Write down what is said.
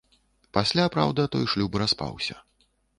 Пасля, праўда, той шлюб распаўся.